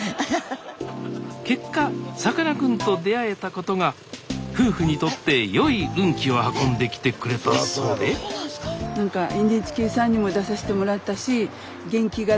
結果さかなクンと出会えたことが夫婦にとって良い運気を運んできてくれたそうでなんかＮＨＫさんにも出さしてもらったしおお！